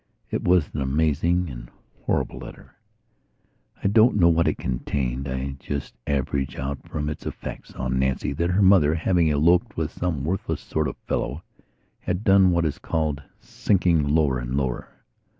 It was an amazing and a horrible letter.. .. I don't know what it contained. I just average out from its effects on Nancy that her mother, having eloped with some worthless sort of fellow, had done what is called "sinking lower and lower".